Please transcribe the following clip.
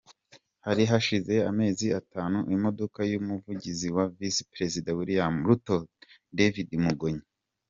Hari hashize amezi atanu imodoka y’Umuvugizi wa visi Perezida William Ruto, David Mugonyi.